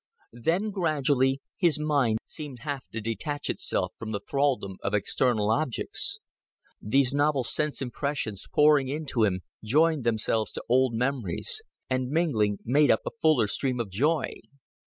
Then gradually his mind seemed half to detach itself from the thraldom of external objects. These novel sense impressions, pouring into him, joined themselves to old memories, and, mingling, made up a fuller stream of joy.